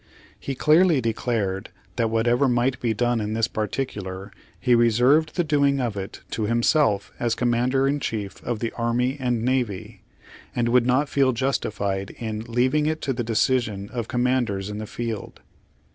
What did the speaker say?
He clearly declared that whatever might be done in this particular, he reserved the doing of it to himself as Commander in Chief of the Army and Navy, and would not feel justified in "leaving it to the decision of Commanders in the field."